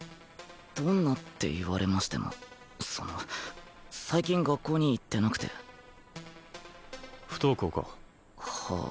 どんなって言われましてもその最近学校に行ってなくて不登校かはあ